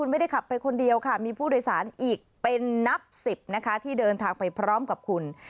มีผู้โดยสารอีกเป็นนับ๑๐นะคะที่เดินทางไปพร้อมกับคุณ